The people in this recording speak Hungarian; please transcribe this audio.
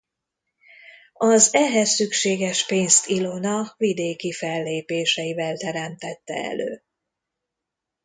Az ehhez szükséges pénzt Ilona vidéki fellépéseivel teremtette elő.